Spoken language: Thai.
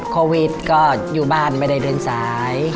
โควิดก็อยู่บ้านในเดือนซ้าย